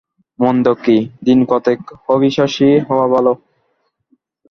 মন্দ কি, দিনকতক হবিষ্যাশী হওয়া ভাল।